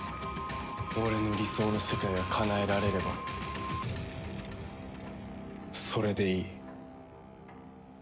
俺の理想の世界がかなえられればそれでいい。